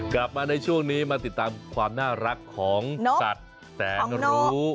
กลับมาในช่วงนี้มาติดตามความน่ารักของสัตว์แสนรู้